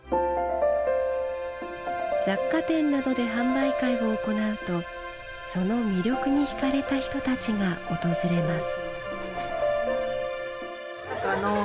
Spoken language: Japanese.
雑貨店などで販売会を行うとその魅力にひかれた人たちが訪れます。